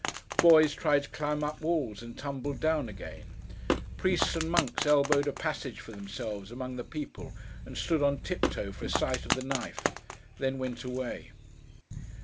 Boys tried to climb up walls, and tumbled down again. Priests and monks elbowed a passage for themselves among the people, and stood on tiptoe for a sight of the knife: then went away.